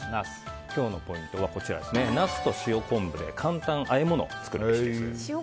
今日のポイントはナスと塩昆布で簡単和え物を作るべし。